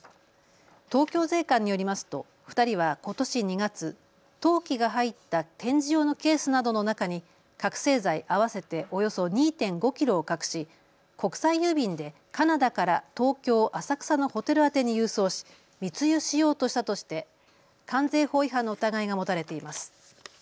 東京税関によりますと２人はことし２月、陶器が入った展示用のケースなどの中に覚醒剤合わせておよそ２．５キロを隠し国際郵便でカナダから東京浅草のホテル宛に郵送し密輸しようとしたとして関税法違反の疑いが持たれています。